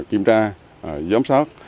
kiểm tra giám sát